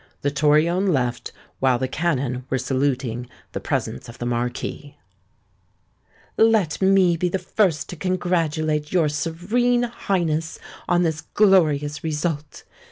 The Torione left while the cannon were saluting the presence of the MARQUIS.'" "Let me be the first to congratulate your Serene Highness on this glorious result!"